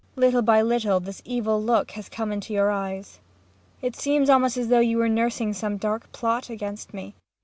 ] Little by little this evil look has come into your eyes. It seems almost as though you were nursing some dark plot against me.